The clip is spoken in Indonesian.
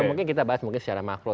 mungkin kita bahas mungkin secara makro